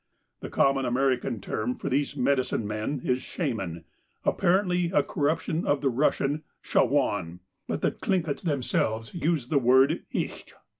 The common American term for these medicine men is shaman, apparently a corruption of the Russian shawaan, but the Tlinkits themselves use the word icht.